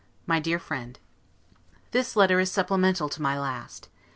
MY DEAR FRIEND: This letter is supplemental to my last.